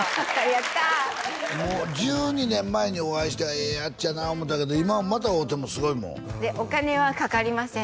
やったもう１２年前にお会いしてええヤツやな思うたけど今また会うてもすごいもんお金はかかりません